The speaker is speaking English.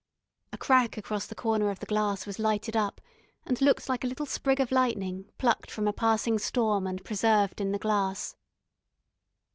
A crack across the corner of the glass was lighted up, and looked like a little sprig of lightning, plucked from a passing storm and preserved in the glass.